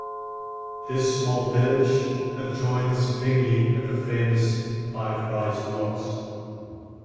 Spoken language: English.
This small village adjoins Bingley at the famous Five Rise Locks.